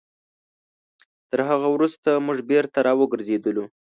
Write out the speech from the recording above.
تر هغه وروسته موږ بېرته راوګرځېدلو.